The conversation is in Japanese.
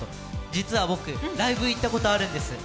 実は僕、ライブ行ったことあるんです。